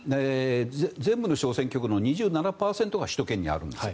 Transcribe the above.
全部の小選挙区の２７％が首都圏にあるんです。